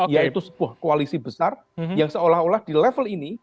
yaitu sebuah koalisi besar yang seolah olah di level ini